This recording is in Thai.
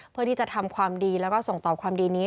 เพื่อที่จะทำความดีแล้วก็ส่งต่อความดีนี้